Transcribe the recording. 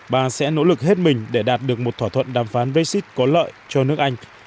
bà sẽ nỗ lực hết mình để đạt được một thỏa thuận đàm phán brexit có lợi cho nước anh